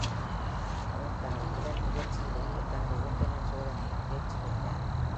அவர் தனது முதல் முயற்சியிலேயே தனது ஓட்டுநர் சோதனையில் தேர்ச்சி பெற்றார்.